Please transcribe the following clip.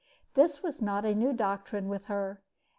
This was not a new doctrine with her.